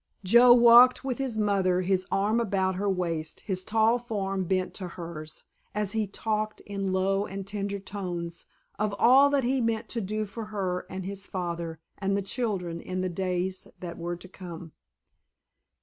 Joe walked with his mother, his arm about her waist, his tall form bent to hers, as he talked in low and tender tones of all that he meant to do for her and his father and the children in the days that were to come.